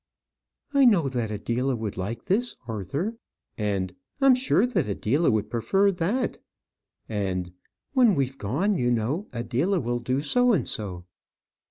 "I know that Adela would like this, Arthur;" and "I'm sure that Adela would prefer that;" and "when we're gone, you know, Adela will do so and so."